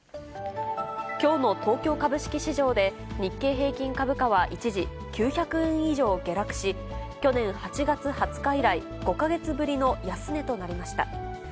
きょうの東京株式市場で日経平均株価は一時、９００円以上下落し、去年８月２０日以来、５か月ぶりの安値となりました。